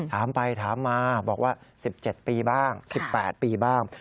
ถามไปถามมาบอกว่า๑๗ปีบ้าง๑๘ปีบ้าง